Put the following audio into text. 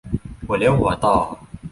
หัวเลี้ยวหัวต่อ